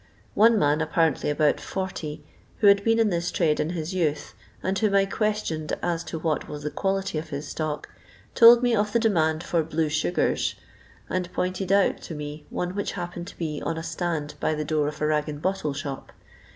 One man, apparently about 40, who had been in this trade in his youth, and whom I questioned as to what was the quality of his stock, told me of the demand for blue sugars," and pointed out to me one which happened to be on a stand by the door of a ragand bottle shop.